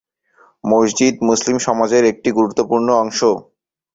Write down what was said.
মসজিদ মুসলিম সমাজের একটি গুরুত্বপূর্ণ অংশ।